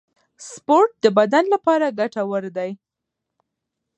سپورت د بدن لپاره ګټور دی